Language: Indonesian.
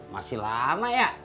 masih lama ya